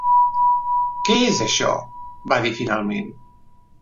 "Què és això?", va dir finalment.